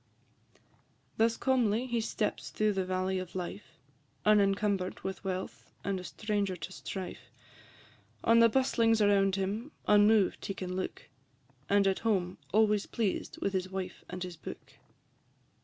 Thus calmly he steps through the valley of life, Unencumber'd with wealth, and a stranger to strife; On the bustlings around him unmoved he can look, And at home always pleased with his wife and his book.